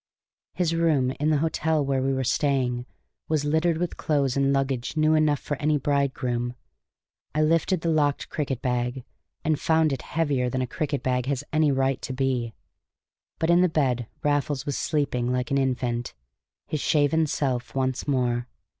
His room in the hotel where we were staying was littered with clothes and luggage new enough for any bridegroom; I lifted the locked cricket bag, and found it heavier than a cricket bag has any right to be. But in the bed Raffles was sleeping like an infant, his shaven self once more.